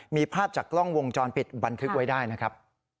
มีภาพจากกล้องวงจรปิดบันทึกไว้ได้นะครับ